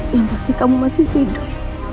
yang pasti kamu masih tidur